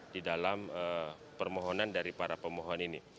di dalam permohonan dari para pemohon ini